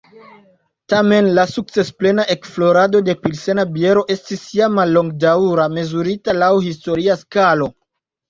Tamen la sukcesplena ekflorado de pilsena biero estis ja mallongdaŭra, mezurita laŭ historia skalo.